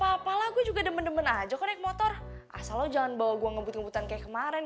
apalah gue juga demen demen aja konek motor asal jangan bawa gue ngebut ngebutan kayak kemarin